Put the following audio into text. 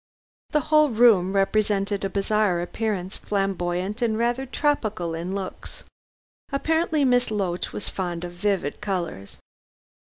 The whole room represented a bizarre appearance, flamboyant and rather tropical in looks. Apparently Miss Loach was fond of vivid colors.